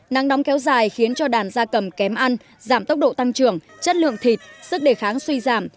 nắng nóng kéo dài khiến cho đàn gia cầm kém ăn giảm tốc độ tăng trưởng chất lượng thịt sức đề kháng suy giảm